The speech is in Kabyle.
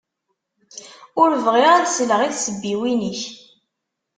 Ur bɣiɣ ad sleɣ i tsebbiwin-ik.